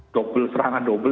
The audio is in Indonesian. dobel perangan dobel